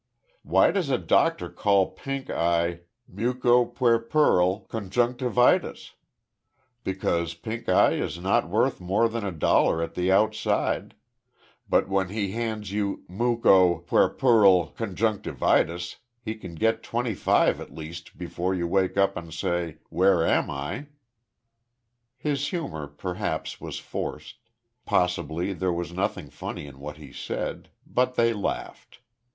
Why does a doctor call pink eye muco puerpural conjunctivitis? Because pink eye is not worth more than a dollar at the outside; but when he hands you muco puerpural conjunctivitis, he can get twenty five at least before you wake up and say, 'Where am I?'" His humor, perhaps, was forced; possibly there was nothing funny in what he said; but they laughed.